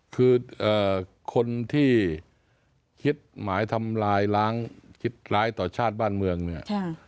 คือคนที่คิดหมายทำลายล้างคิดร้ายต่อชาติบ้านเมืองเนี่ย